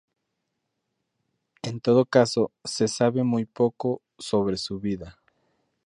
En todo caso, se sabe muy poco sobre su vida.